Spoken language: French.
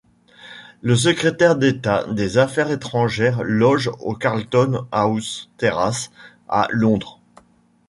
Le secrétaire d'État des Affaires étrangères loge au Carlton House Terrace, à Londres.